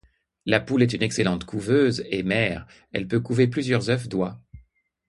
La poule est une excellente couveuse et mère, elle peut couver plusieurs œufs d'oie.